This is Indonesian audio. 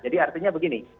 jadi artinya begini